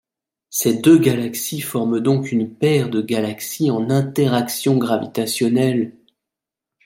Ces deux galaxies forment donc une paire de galaxie en interaction gravitationnelle.